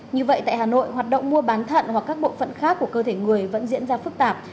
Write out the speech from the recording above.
như vậy tại hà nội hoạt động mua bán thận hoặc các bộ phận khác của cơ thể người vẫn diễn ra phức tạp